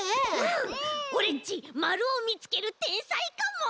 オレっちまるをみつけるてんさいかも！